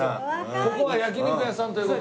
ここは焼肉屋さんという事で。